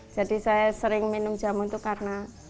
jadi saya sering minum jamu itu karena